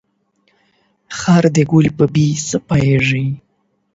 خر ده ګل په بوی څه پوهيږي.